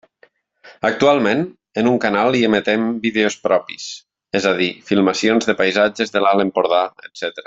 Actualment, en un canal hi emetem vídeos propis, és a dir, filmacions de paisatges de l'Alt Empordà, etcètera.